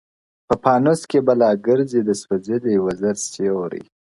په پانوس کي به لا ګرځي د سوځلي وزر سیوري -